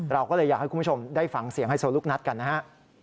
เราก็เลยอยากให้คุณผู้ชมได้ฟังเสียงไฮโซลูกนัดกันนะฮะ